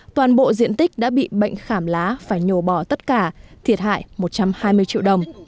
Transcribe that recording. toàn bộ diện tích đã bị bệnh khảm lá phải nhổ bỏ tất cả thiệt hại một trăm hai mươi triệu đồng